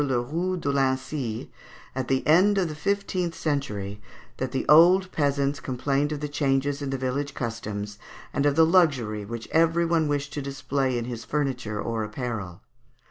Le Roux de Lincy, "at the end of the fifteenth century that the old peasants complained of the changes in the village customs, and of the luxury which every one wished to display in his furniture or apparel.